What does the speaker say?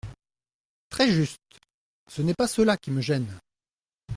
Très juste ! Ce n’est pas cela qui me gêne.